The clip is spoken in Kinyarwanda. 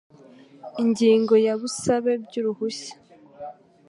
Ingingo ya Ubusabe bw uruhushya